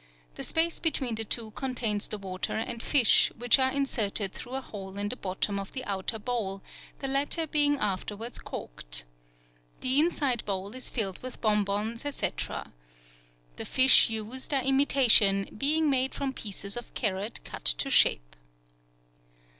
The space between the two contains the water and fish, which are inserted through a hole in the bottom of the outer bowl, the latter being afterwards corked. The inside bowl is filled with bonbons, etc. (See Fig. 19.) The fish used are imitation, being made from pieces of carrot cut to shape. Fig. 19. Bowl of Gold Fish.